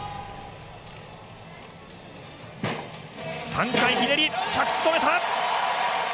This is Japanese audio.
３回ひねり、着地止めた。